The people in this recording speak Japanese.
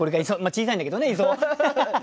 小さいんだけどね磯。